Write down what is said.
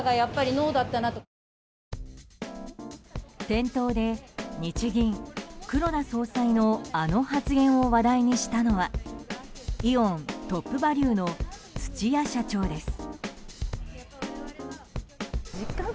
店頭で日銀、黒田総裁のあの発言を話題にしたのはイオントップバリュの土谷社長です。